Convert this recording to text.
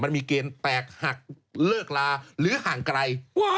มันมีเกณฑ์แตกหักเลิกลาหรือห่างไกล